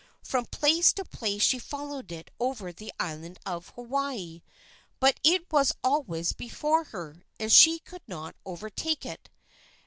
From place to place she followed it over the island of Hawaii; but it was always before her, and she could not overtake it.